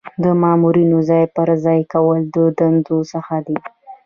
د مامورینو ځای پر ځای کول د دندو څخه دي.